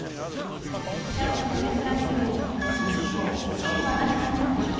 今日の「ニュースランキング」に戻りましょう。